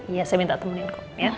iya saya minta temanin kok ya